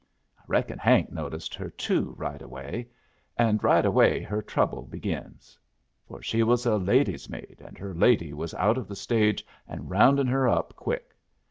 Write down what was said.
I reckon Hank noticed her too, right away. And right away her trouble begins. For she was a lady's maid, and her lady was out of the stage and roundin' her up quick.